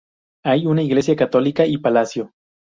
Hay una iglesia católica y palacio.